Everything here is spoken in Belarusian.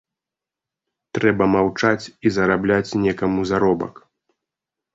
Трэба маўчаць і зарабляць некаму заробак.